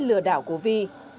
lừa đảo của vi